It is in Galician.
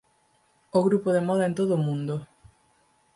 O grupo de moda en todo o mundo